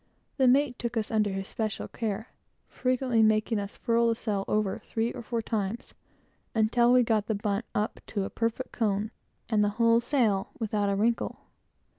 The mate took us under his special care, frequently making us furl the sail over, three or four times, until we got the bunt up to a perfect cone, and the whole sail without a wrinkle.